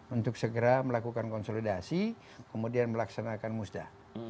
untuk segera melakukan konsolidasi kemudian melaksanakan musda